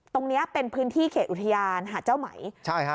ตรงเนี้ยเป็นพื้นที่เขตอุทยานหาดเจ้าไหมใช่ฮะ